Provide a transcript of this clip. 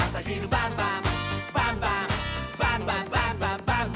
「バンバンバンバンバンバン！」